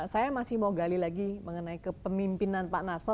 saya masih mau gali lagi mengenai kepemimpinan pak narso